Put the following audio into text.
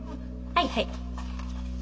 はいはい。